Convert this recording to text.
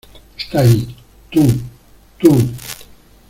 ¡ Está ahí! Tú... tú ...